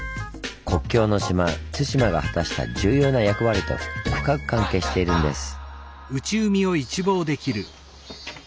国境の島・対馬が果たした重要な役割と深く関係しているんです。